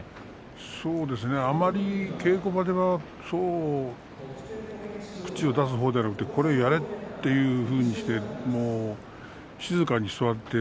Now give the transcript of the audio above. あまり稽古場ではそう口を出すほうではなくてこれをやれというふうにして静かに座って。